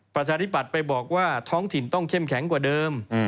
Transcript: ประชาธิบัติไปบอกว่าท้องถิ่นต้องเข้มแข็งกว่าเดิม